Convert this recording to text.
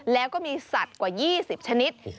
แล้วก็มีสัตว์กว่า๒๐ชนิด